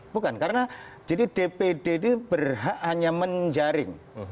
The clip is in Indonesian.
bukan karena jadi dpd ini berhak hanya menjaring